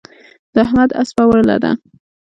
د احمد اسپه ورله ده.